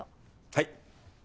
はい。